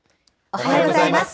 おはようございます。